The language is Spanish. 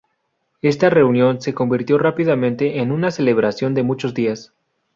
Esta reunión se convirtió rápidamente en una celebración de muchos días.